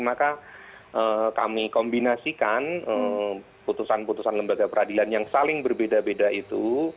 maka kami kombinasikan putusan putusan lembaga peradilan yang saling berbeda beda itu